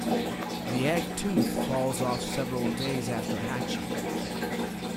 The egg tooth falls off several days after hatching.